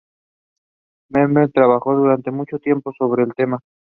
Moberg trabajó durante mucho tiempo sobre el tema.